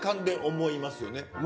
思いますよね。